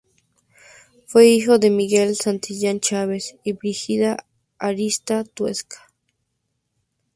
Fue hijo de Miguel Santillán Chávez y Brígida Arista Tuesta.